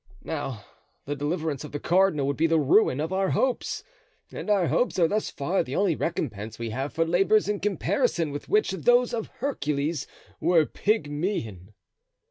Now, the deliverance of the cardinal would be the ruin of our hopes; and our hopes are thus far the only recompense we have for labors in comparison with which those of Hercules were pygmean."